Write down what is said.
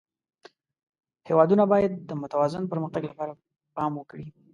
هېوادونه باید د متوازن پرمختګ لپاره پام وکړي.